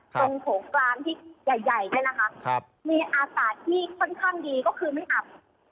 โถงกลางที่ใหญ่เนี่ยนะคะมีอากาศที่ค่อนข้างดีก็คือไม่อับ